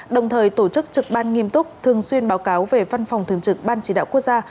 đồng thời tổ chức trực ban nghiêm túc thường xuyên báo cáo về văn phòng thường trực ban chỉ đạo quốc gia